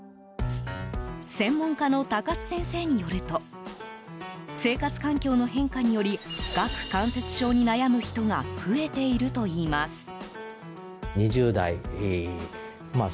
専門科の高津先生によると生活環境の変化により顎関節症に悩む人が増えているといいます。